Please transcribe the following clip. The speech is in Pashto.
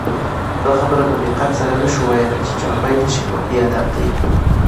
دا خبره په دقت سره نه سو ویلي، چي چاربیتې شفاهي ادب دئ.